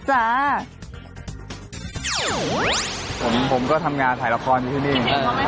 ผมก็ทำงานถ่ายละครอยู่ที่นี่นี่ก็ทำงานถ่ายละครอยู่ที่นี่